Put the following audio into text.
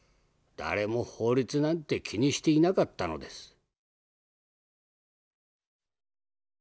誰も法律なんて気にしていなかったのです」。